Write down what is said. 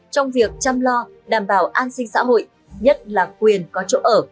trong việc chăm lo đảm bảo an sinh xã hội nhất là quyền có chỗ ở